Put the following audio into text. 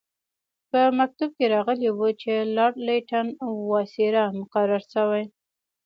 په مکتوب کې راغلي وو چې لارډ لیټن وایسرا مقرر شوی.